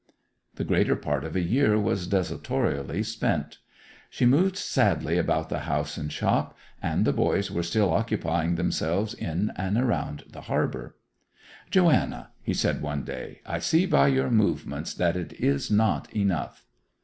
The greater part of a year was desultorily spent. She moved sadly about the house and shop, and the boys were still occupying themselves in and around the harbour. 'Joanna,' he said, one day, 'I see by your movements that it is not enough.